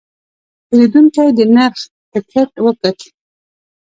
پیرودونکی د نرخ ټکټ وکت.